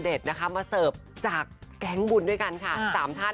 เน็ตนะคะมาเสือกจากแกงบุลด้วยกันชามท่าน